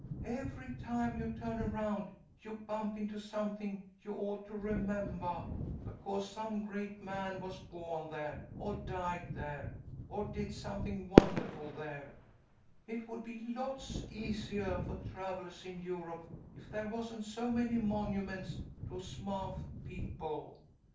Every time you turn around you bump into something you ought to remembah because some great man was bawn there, or died there, or did something wondahful there. It would be lots easiah for travellers in Europe if there wasn't so many monuments to smaht people.